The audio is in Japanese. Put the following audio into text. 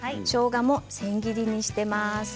しょうがも千切りにしています。